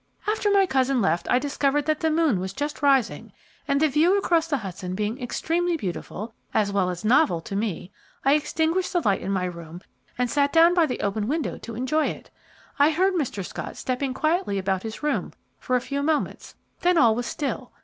After my cousin left I discovered that the moon was just rising, and the view across the Hudson being extremely beautiful, as well as novel to me, I extinguished the light in my room and sat down by the open window to enjoy it. I heard Mr. Scott stepping quietly about his room for a few moments; then all was still.